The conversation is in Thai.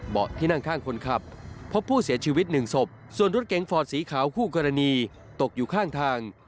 ที่นั่งข้างคนขับพบผู้เสียชีวิตหนึ่งศพส่วนรถเก๋งฟอร์ดสีขาวคู่กรณีตกอยู่ข้างทาง